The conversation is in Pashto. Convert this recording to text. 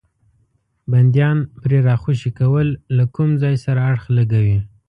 بندیان پرې راخوشي کول له کوم ځای سره اړخ لګوي.